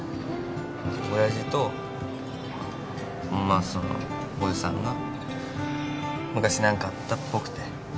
親父とまあその伯父さんが昔何かあったっぽくて。